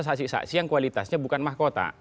saksi saksi yang kualitasnya bukan mahkota